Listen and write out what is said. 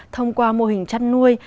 thông qua mô hình chăn nuôi